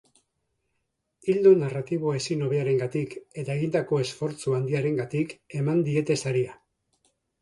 Ildo narratibo ezin hobearengatik eta egindako esfortzu handiarengatik eman diete saria.